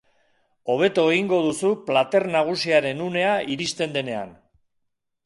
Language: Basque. Hobeto egingo duzu plater nagusiaren unea iristen denean.